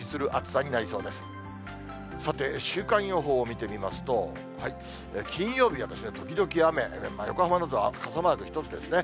さて、週間予報を見てみますと、金曜日が時々雨、横浜などは傘マーク１つですね。